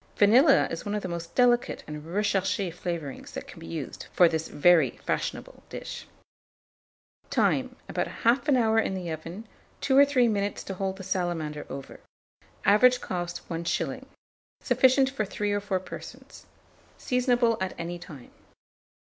Vanilla is one of the most delicate and recherché flavourings that can be used for this very fashionable dish. Time. About 1/2 hour in the oven; 2 or 3 minutes to hold the salamander over. Average cost, 1s. Sufficient for 3 or 4 persons. Seasonable at any time.